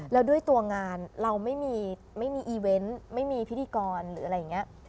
แล้วด้วยตัวงานเราไม่มีอีเวนต์ไม่มีพิธีกรหรืออะไรอย่างนี้